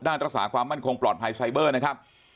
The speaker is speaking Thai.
รักษาความมั่นคงปลอดภัยไซเบอร์นะครับ